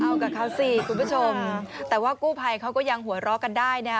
เอากับเขาสิคุณผู้ชมแต่ว่ากู้ภัยเขาก็ยังหัวเราะกันได้นะฮะ